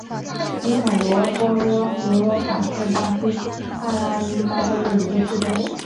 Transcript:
伊塔波罗罗卡是巴西帕拉伊巴州的一个市镇。